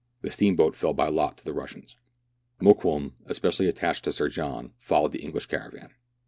The steam boat fell by lot to the Russians. Mokoum, especially attached to Sir John, followed the English caravan.